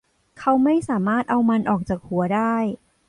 เขาไม่สามารถเอามันออกจากหัวได้